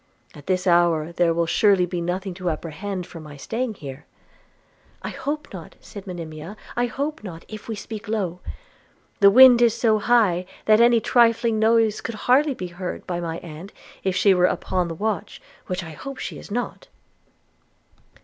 At this hour there will surely be nothing to apprehend from my staying here.' 'I hope not,' said Monimia, 'I hope not, if we speak low. The wind is so high, that any trifling noise could hardly be heard by my aunt if she were upon the watch, which I hope she is not.'